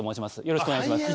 よろしくお願いします